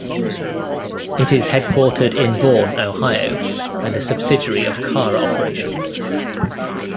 It is headquartered in Vaughan, Ontario and a subsidiary of Cara Operations.